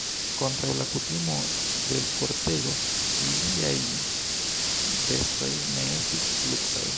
Kontraŭ la kutimo de l' kortego, liaj vestoj ne estis luksaj.